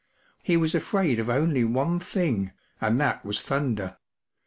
He was afraid of only one thing, and that was thunder.